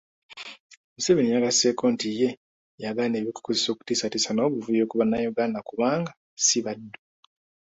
Museveni yagasseeko nti ye yagaana eby'okukozesa okutiisatiisa n'obuvuyo ku bannayuganda kubanga ssi baddu.